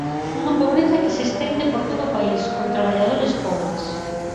Unha pobreza que se estende por todo o país, con traballadores pobres.